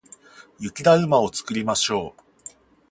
雪だるまを作りましょう。